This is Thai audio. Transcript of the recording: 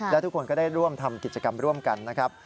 และทุกคนก็ได้ร่วมทำกิจกรรมร่วมกันนะครับ